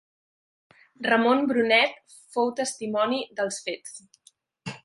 Ramon Brunet fou testimoni dels fets.